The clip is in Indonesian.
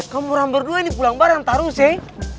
kamu orang berdua ini pulang bareng taruh sih